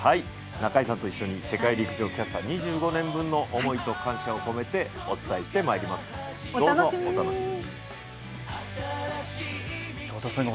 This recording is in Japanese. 中井さんと一緒に世界陸上キャスター２５年分の思いを感謝を込めてどうぞお楽しみに。